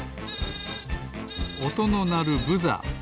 おとのなるブザー。